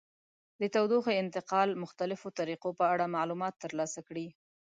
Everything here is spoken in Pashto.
د تودوخې انتقال مختلفو طریقو په اړه معلومات ترلاسه کړئ.